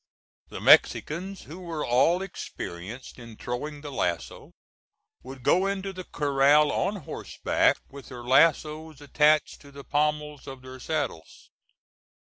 The Mexicans, who were all experienced in throwing the lasso, would go into the corral on horseback, with their lassos attached to the pommels of their saddles.